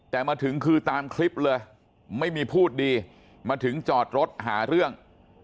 แต่มาถึงคือตามคลิปเลยไม่มีพูดดีมาถึงจอดรถหาเรื่อง